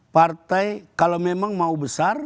partai kalau memang mau besar